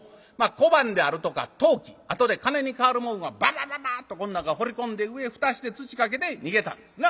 小判であるとか陶器あとで金に換わるもんはババババっとこん中ほり込んで上蓋して土かけて逃げたんですな。